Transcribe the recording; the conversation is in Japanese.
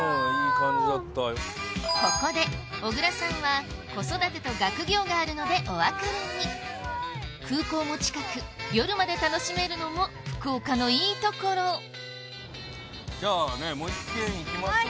ここで小倉さんは子育てと学業があるのでお別れに空港も近く夜まで楽しめるのも福岡のいいところじゃあもう一軒行きましょうか。